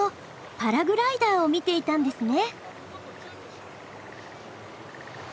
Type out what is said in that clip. パラグライダーを見ていたんですね。